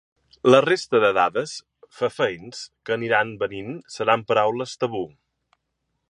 La resta de dades fefaents que aniran venint seran paraules tabú.